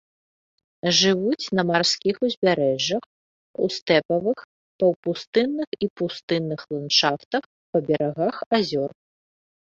Жывуць на марскіх узбярэжжах, у стэпавых, паўпустынных і пустынных ландшафтах па берагах азёр.